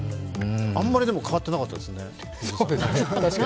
あんまり、でも変わってなかったですね。